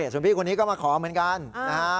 ส่วนพี่คนนี้ก็มาขอเหมือนกันนะฮะ